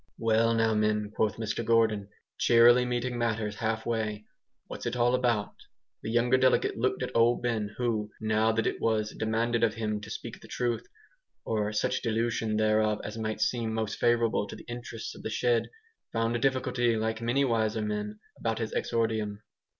"Well now, men," quoth Mr Gordon, cheerily meeting matters half way, "what's it all about?" The younger delegate looked at Old Ben, who, now that it "was demanded of him to speak the truth," or such dilution thereof as might seem most favourable to the interests of the shed, found a difficulty like many wiser men about his exordium.